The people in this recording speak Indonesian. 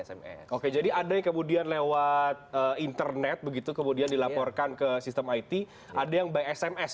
sms oke jadi ada yang kemudian lewat internet begitu kemudian dilaporkan ke sistem it ada yang by sms